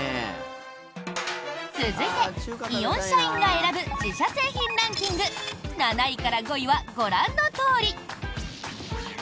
続いて、イオン社員が選ぶ自社製品ランキング７位から５位はご覧のとおり。